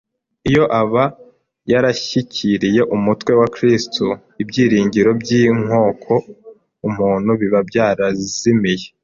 Iyo aba yarashyikiriye umutwe wa Kristo, ibyiringiro by’inyoko muntu biba byarazimiye.